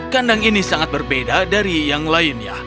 kandang ini sangat berbeda dari yang lainnya